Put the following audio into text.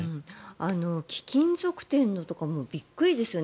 貴金属店のとかびっくりですよね。